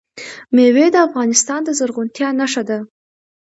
مېوې د افغانستان د زرغونتیا نښه ده.